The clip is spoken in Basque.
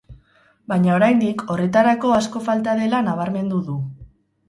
Baina oraindik, horretarako, asko falta dela nabarmendu du.